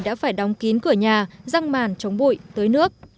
đã phải đóng kín cửa nhà răng màn chống bụi tới nước